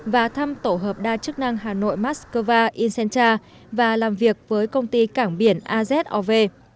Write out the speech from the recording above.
và thăm tổ hợp đa chức năng hà nội moscow incenta và làm việc với công ty cảng biển azov